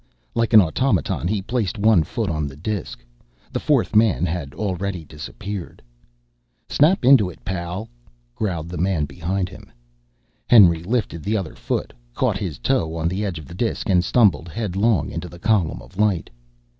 Like an automaton he placed one foot on the disk. The fourth man had already disappeared. "Snap into it, pal," growled the man behind. Henry lifted the other foot, caught his toe on the edge of the disk and stumbled headlong into the column of light.